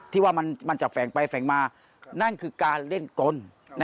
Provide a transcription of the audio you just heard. ที่ว่ามันจะแฝงไปแฝงมานั่นคือการเล่นกล